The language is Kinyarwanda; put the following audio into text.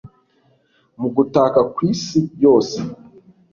mu gutaka kwisi yose